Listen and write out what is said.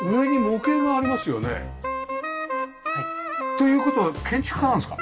という事は建築家なんですか？